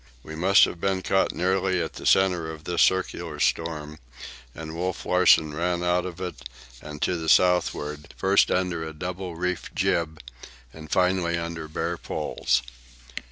We must have been caught nearly at the centre of this circular storm, and Wolf Larsen ran out of it and to the southward, first under a double reefed jib, and finally under bare poles.